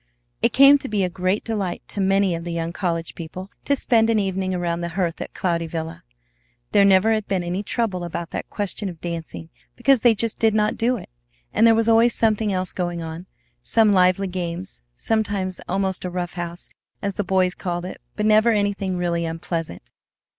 It came to be a great delight to many of the young college people to spend an evening around the hearth at Cloudy Villa. There never had been any trouble about that question of dancing, because they just did not do it; and there was always something else going on, some lively games, sometimes almost a "rough house," as the boys called it, but never anything really unpleasant.